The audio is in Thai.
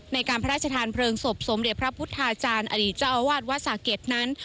ในการพระราชทานเพลิงศพสมเด็จพระพุทธาจารย์อดีตเจ้าอาวาสวัดสะเก็ตนั้น